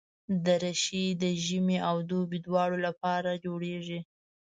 دریشي د ژمي او دوبي دواړو لپاره جوړېږي.